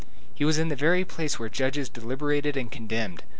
He was in the very place where the judges deliberated and condemned.